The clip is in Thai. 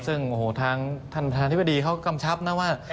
ซึ่งโอ้โหทางท่านประธานธิบดีเขากำชับนะว่า